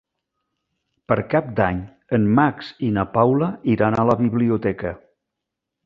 Per Cap d'Any en Max i na Paula iran a la biblioteca.